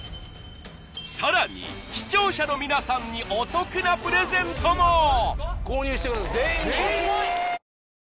さらに視聴者の皆さんにお得なプレゼントも！